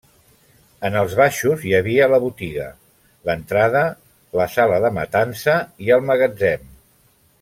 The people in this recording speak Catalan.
En els baixos hi havia la botiga, l'entrada, la sala de matança i el magatzem.